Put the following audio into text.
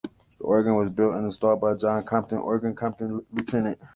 The organ was built and installed by the John Compton Organ Company Ltd.